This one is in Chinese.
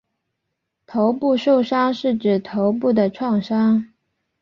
头部受伤是指头部的创伤。